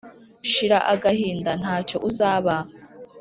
shira agahinda ntacyo uzaba.